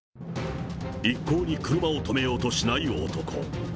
一向に車を止めようとしない男。